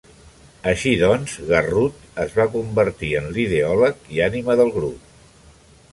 Així doncs, Garrut es va convertir en l'ideòleg i ànima del grup.